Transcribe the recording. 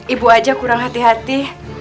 ibu aja kurang hati hati